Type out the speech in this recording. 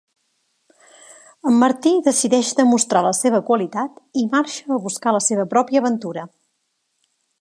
El Martí decideix demostrar la seva qualitat i marxa a buscar la seva pròpia aventura.